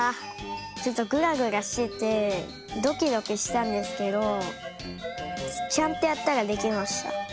ちょっとグラグラしててドキドキしたんですけどちゃんとやったらできました。